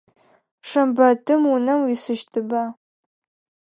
Шэмбэтым унэм уисыщтыба?